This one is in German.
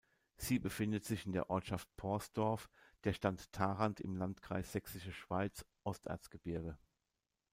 Sie befindet sich in der Ortschaft Pohrsdorf, der Stadt Tharandt im Landkreis Sächsische Schweiz-Osterzgebirge.